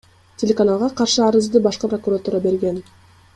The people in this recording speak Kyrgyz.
Телеканалга каршы арызды Башкы прокуратура берген.